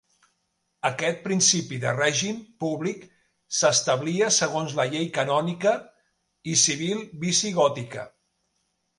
Aquest principi de règim públic s'establia segons la llei canònica i civil visigòtica.